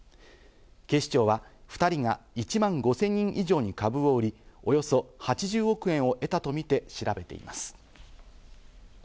警視庁は２人が１万５０００人以上に株を売り、およそ８０億円を得たとみて調べています。